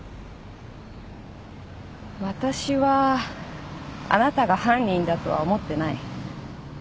私はあなたが犯人だとは思ってない。